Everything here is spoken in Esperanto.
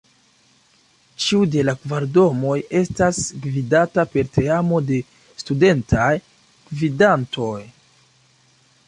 Ĉiu de la kvar domoj estas gvidata per teamo de Studentaj Gvidantoj.